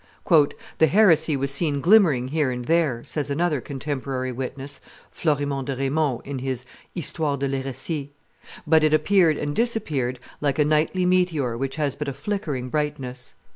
. "The heresy was seen glimmering here and there," says another contemporary witness [Florimond de Raimond in his Histoire de l'Heresie], "but it appeared and disappeared like a nightly meteor which has but a flickering brightness."